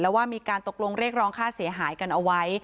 ว่ามีการตกลงเรียกร้องค่าเสียหายกันเอาไว้